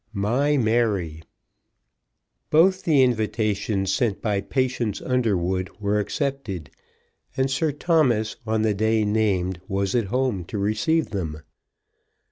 MY MARY. Both the invitations sent by Patience Underwood were accepted, and Sir Thomas, on the day named, was at home to receive them.